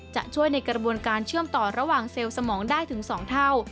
จะช่วยในกระบวนการเชื่อมต่อระหว่างเซลล์สมองได้ถึง๒เท่า